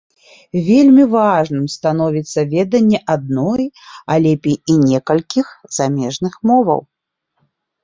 Вельмі важным становіцца веданне адной, а лепей і некалькіх замежных моваў.